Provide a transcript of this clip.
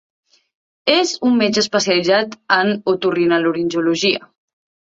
És un metge especialitzat en otorrinolaringologia.